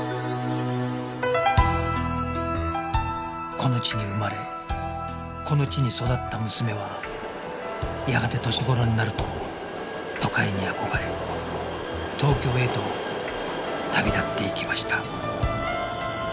この地に生まれこの地に育った娘はやがて年頃になると都会に憧れ東京へと旅立っていきました